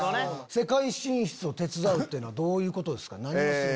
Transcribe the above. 世界進出を手伝うっていうのはどういうことですか？